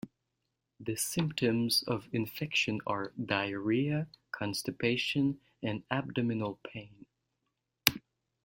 The symptoms of infection are diarrhea, constipation, and abdominal pain.